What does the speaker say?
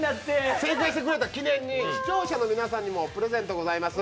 正解してくれた記念に視聴者の皆さんにもプレゼントがあります。